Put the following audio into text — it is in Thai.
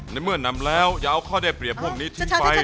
ในเมื่อนำแล้วอย่าเอาข้อได้เปรียบพวกนี้ทิ้งไป